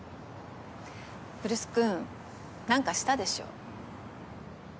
来栖君何かしたでしょ？